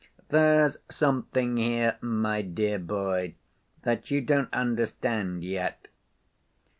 There's something here, my dear boy, that you don't understand yet.